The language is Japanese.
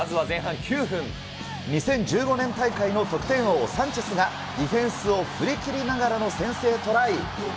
２０１５年大会の得点王、サンチェスが、ディフェンスを振りきりながらの先制トライ。